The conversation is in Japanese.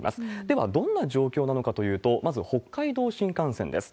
では、どんな状況なのかというと、まず北海道新幹線です。